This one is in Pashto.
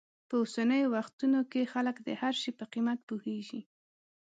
په اوسنیو وختونو کې خلک د هر شي په قیمت پوهېږي.